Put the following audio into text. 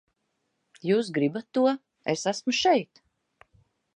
Jūs gribat to, es esmu šeit!